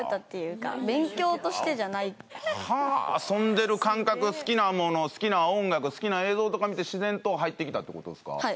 遊んでる感覚好きなもの好きな音楽好きな映像とか見てしぜんと入ってきたってことですか？